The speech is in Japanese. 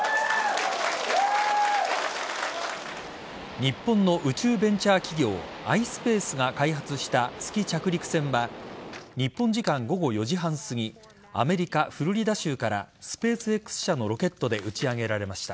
日本の宇宙ベンチャー企業ｉｓｐａｃｅが開発した月着陸船は日本時間午後４時半すぎアメリカ・フロリダ州からスペースＸ社のロケットで打ち上げられました。